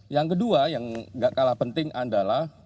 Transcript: yang kedua yang gak kalah penting adalah